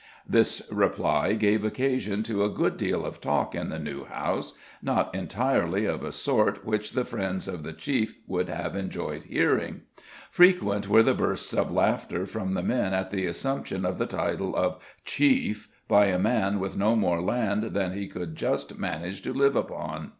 This reply gave occasion to a good deal of talk at the New House, not entirely of a sort which the friends of the chief would have enjoyed hearing. Frequent were the bursts of laughter from the men at the assumption of the title of CHIEF by a man with no more land than he could just manage to live upon.